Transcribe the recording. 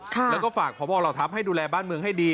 แล้วก็ฝากพบเหล่าทัพให้ดูแลบ้านเมืองให้ดี